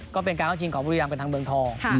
ก็เป็นการเข้าชิงของบุรีรำกับทางเมืองทอง